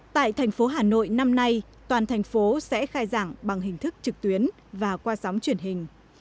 tại thành phố hà nội năm nay toàn thành phố sẽ khai giảng bằng hình thức trực tuyến và qua sóng truyền hình